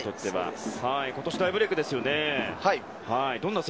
今年大ブレークですよね。